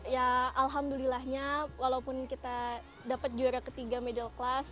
ya alhamdulillahnya walaupun kita dapat juara ketiga